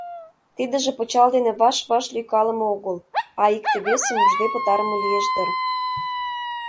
Тидыже пычал дене ваш-ваш лӱйкалыме огыл, а икте-весым ужде пытарыме лиеш дыр.